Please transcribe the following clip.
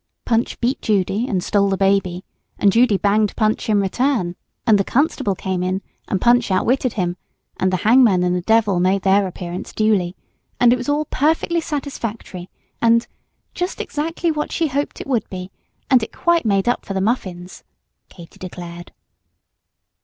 Punch beat Judy and stole the baby, and Judy banged Punch in return, and the constable came in and Punch outwitted him, and the hangman and the devil made their appearance duly; and it was all perfectly satisfactory, and "just exactly what she hoped it would be, and it quite made up for the muffins," Katy declared.